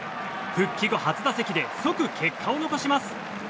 復帰後初打席で即結果を残します。